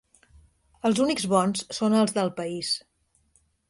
Els únics bons són els del país.